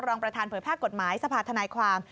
รองประธานเผยแพร่กฎหมายสภาธนายความ